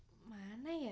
bantuin ya sayang ya